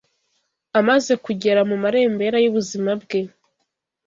Amaze kugera mu marembera y’ubuzima bwe,